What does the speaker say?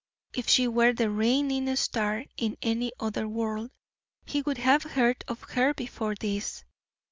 If she were the reigning star in any other world, he would have heard of her before this.